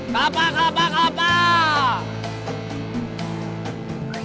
kapak kapak kapak